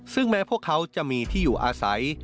ซึ่งแม้พวกเขาจะมีที่อยู่อาศัย